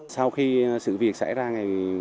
sau khi sự việc xảy ra ngày một mươi một